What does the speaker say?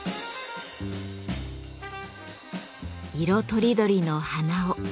色とりどりの鼻緒。